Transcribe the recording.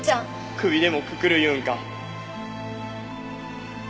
首でもくくる言うんか？